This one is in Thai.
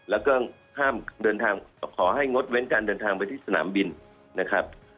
แล้วก็ห้ามเดินทางขอให้งดเว้นการเดินทางไปที่สนามบินนะครับ